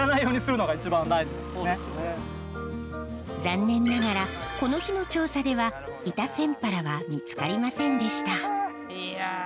残念ながらこの日の調査ではイタセンパラは見つかりませんでした。